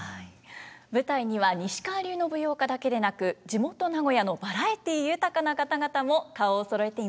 舞台には西川流の舞踊家だけでなく地元名古屋のバラエティー豊かな方々も顔をそろえています。